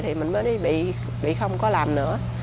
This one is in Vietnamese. thì mình mới bị không có làm nữa